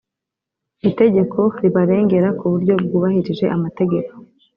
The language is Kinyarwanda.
itegeko ribarengera ku buryo bwubahirije amategeko